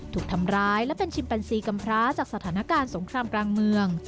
ถูกทำร้ายและเป็นชิมแปนซีกำพร้าจากสถานการณ์สงครามกลางเมือง